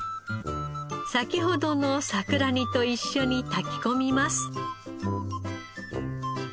先ほどの桜煮と一緒に炊き込みます。